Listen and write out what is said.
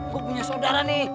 gua punya saudara nih